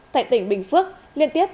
tại tỉnh bình phước liên tiếp